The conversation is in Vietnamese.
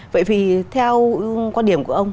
vậy thì theo quan điểm của ông